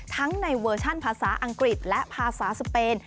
ทั้งในเวอร์ชั่นภาษาอังกฤษและภาษาสเปน